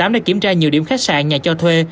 tám đã kiểm tra nhiều điểm khách sạn nhà cho thuê